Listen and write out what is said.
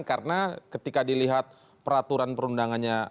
karena ketika dilihat peraturan perundangannya